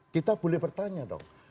kita boleh bertanya dong